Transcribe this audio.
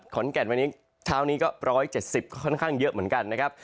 ขอนแก่นวันนี้เช้านี้ก็๑๗๐ค่อนข้างเยอะเหมือนกันนะครับ